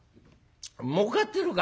もうかってるか？」。